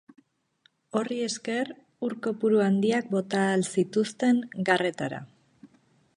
Horri esker, ur kopuru handiak bota ahal zituzten garretara.